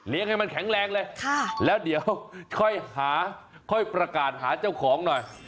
ให้มันแข็งแรงเลยแล้วเดี๋ยวค่อยหาค่อยประกาศหาเจ้าของหน่อย